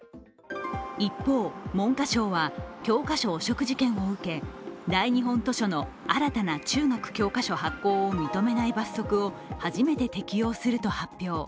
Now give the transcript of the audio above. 一方、文科省は教科書汚職事件を受け大日本図書の新たな中学教科書発行を認めない罰則を初めて適用すると発表。